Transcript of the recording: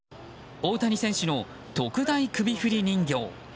大谷選手の特大首振り人形。